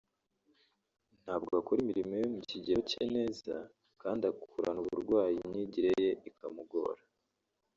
ntabwo akora imirimo yo mu kigero cye neza kandi akurana uburwayi imyigire ye ikamugora